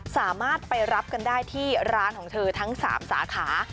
สามารถไปรับกันได้ที่ร้านของเธอทั้ง๓สาขา